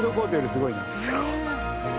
すごい。